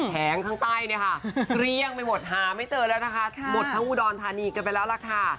แงข้างใต้เนี่ยค่ะเกลี้ยงไปหมดหาไม่เจอแล้วนะคะหมดทั้งอุดรธานีกันไปแล้วล่ะค่ะ